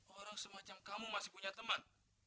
orang semacam kamu masih punya teman